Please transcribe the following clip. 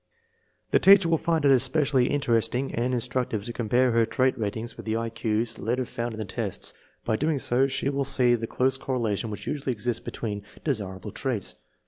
The teacher will find it especially interesting and instructive to compare her trait ratings with the I Q*s later found in the tests. By doing so she will see the dose correlation which usually exists between desira ble traits.